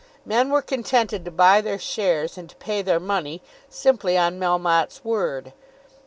Men were contented to buy their shares and to pay their money, simply on Melmotte's word.